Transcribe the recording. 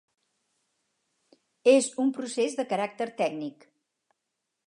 És un procés de caràcter tècnic.